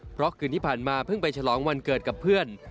เพราะคืนที่ผ่านมาเพิ่งไปฉลองวันเกิดกับเพื่อน